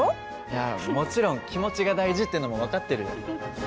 いやもちろん気持ちが大事ってのも分かってるよ。